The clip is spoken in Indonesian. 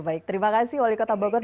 baik terima kasih wali kota bogor